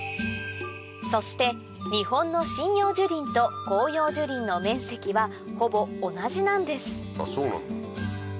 そして日本の針葉樹林と広葉樹林の面積はほぼ同じなんです